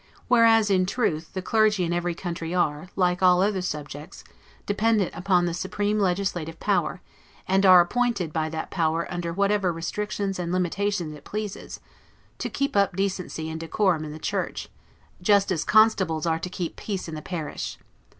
Whereas, in truth, the clergy in every country are, like all other subjects, dependent upon the supreme legislative power, and are appointed by that power under whatever restrictions and limitations it pleases, to keep up decency and decorum in the church, just as constables are to keep peace in the parish.